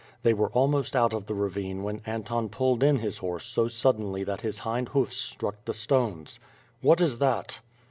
They were almost out of the ravine when Anton pulled in his horse so suddenly that his hind hoofs struck the stones. "What is that?"